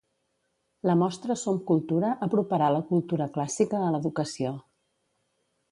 La mostra Som Cultura aproparà la cultura clàssica a l'educació.